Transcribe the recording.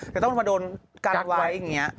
แต่ต้องมาโดนกันไว้อย่างนี้